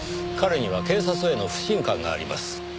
彼には警察への不信感があります。